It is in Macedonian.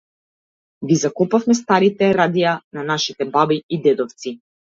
Ги закопавме старите радија на нашите баби и дедовци.